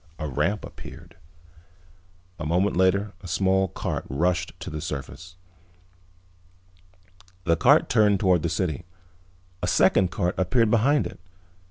A ramp appeared. A moment later a small cart rushed to the surface. The cart turned toward the city. A second cart appeared behind it.